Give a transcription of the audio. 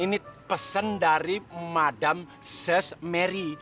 ini pesen dari madam sis mary